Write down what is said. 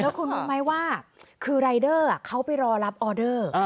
คุณรู้ไหมว่าคือรายเดอร์เขาไปรอรับออเดอร์